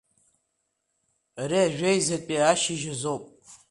Ари ажәеизатәи ашьыжь азоуп.